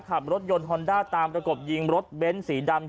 ขับรถยนต์ฮอนด้าตามประกบยิงรถเบ้นสีดำ